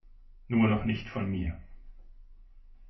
Nur noch nicht von mir.